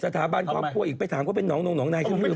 สถาบันครอบครัวอีกไปถามว่าเป็นน้องนายเค้าไม่เคยเป็น